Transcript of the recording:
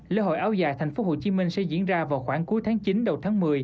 lễ hội áo dài thành phố hồ chí minh sẽ diễn ra vào khoảng cuối tháng chín đầu tháng một mươi